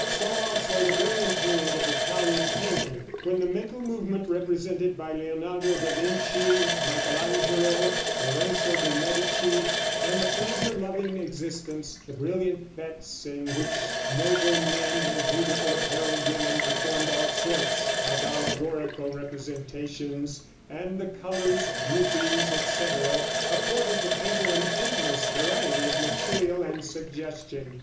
So also the brilliant period of Italian painting, when the mental movement represented by Leonardo da Vinci, Michael Angelo, Lorenzo de Medici, and the pleasure loving existence, the brilliant fêtes, in which noble men and beautifully appareled women performed all sorts of allegorical representations, and the colors, groupings, etc., afforded the painter an endless variety of material and suggestion.